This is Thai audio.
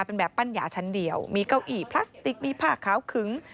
เป็นแบบปั้นยาชั้นเดียวมีเก้าอี้พลาสติกมีผ้าขาวขึง